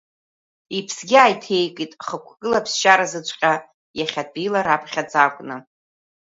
Иԥсгьы ааиҭеикит, хықәкыла аԥсшьаразыҵәҟьа иахьатәиала раԥхьаӡа акәны.